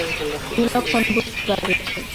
বিলক্ষণ বুঝিতে পারিয়াছি।